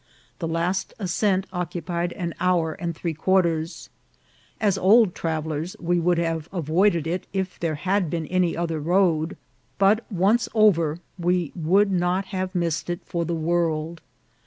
The last ascent occupied an hour and three quarters. As old travel lers, we would have avoided it if there had been any other road ; but, once over, we would not have missed it for the world.